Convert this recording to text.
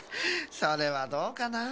それはどうかなあ。